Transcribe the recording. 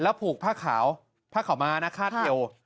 แล้วผูกผ้าขาวผ้าขาวมาราคาเทล